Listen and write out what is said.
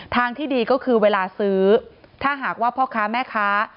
ทางที่ดีก็คือเวลาซื้อถ้าหากว่าพ่อค้าแม่ค้า